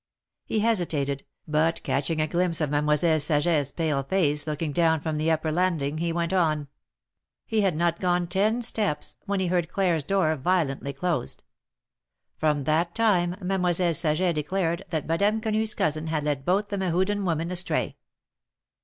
He hesitated, but catching a glimpse of Mademoiselle Saget's pale face looking down from the upper landing, he went on. 162 THE MARKETS OF PARIS. He had not gone ten steps when he heard Claire's door violently closed. From that' time Mademoiselle Saget I declared that Madame Quenu's cousin had led both the ■ Mehuden women astray.